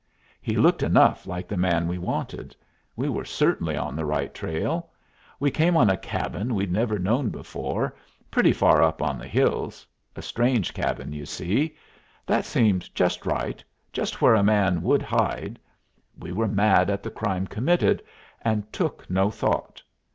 He looked enough like the man we wanted. We were certainly on the right trail. We came on a cabin we'd never known of before, pretty far up in the hills a strange cabin, you see. That seemed just right; just where a man would hide. We were mad at the crime committed, and took no thought.